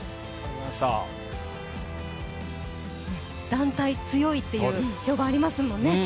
団体強いという評判ありますもんね。